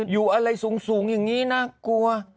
อยู่อะไรสูงอย่างนี้น่ากลัว